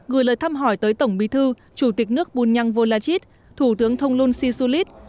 gửi lời thăm hỏi tới tổng bí thư chủ tịch nước bunyang volachit thủ tướng thông luân si su lít